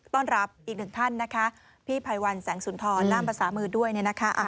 ต้อนรับอีกหนึ่งท่านนะคะพี่ภัยวันแสงสุนทรล่ามภาษามือด้วยเนี่ยนะคะ